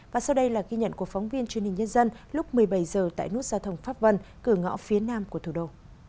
và sau đây là ghi nhận của phóng viên truyền hình nhân dân lúc một mươi bảy h tại nút giao thông pháp vân cửa ngõ phía nam của thủ đô